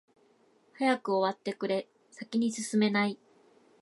早く終わってくれ、先に進めない。